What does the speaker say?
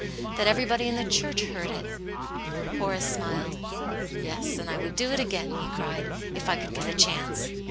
that every body in the church heard it ?" Horace smiled. "Yes, and I would do it againl" he cried, " if I could get a chance."